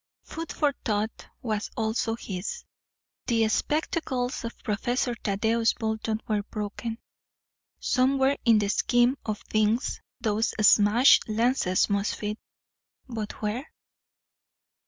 Food for thought was also his. The spectacles of Professor Thaddeus Bolton were broken. Somewhere in the scheme of things those smashed lenses must fit. But where?